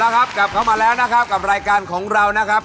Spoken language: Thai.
แล้วครับกลับเข้ามาแล้วนะครับกับรายการของเรานะครับ